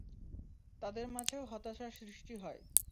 তাদের মাঝেও হতাশা সৃষ্টি হয়।